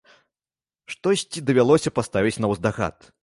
Штосьці давялося паставіць наўздагад.